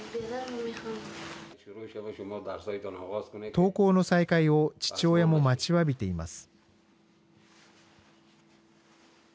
登校の再開を父親も待ちわびています。